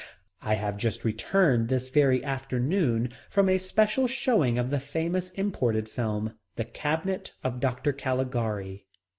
I have just returned this very afternoon from a special showing of the famous imported film, The Cabinet of Dr. Caligari.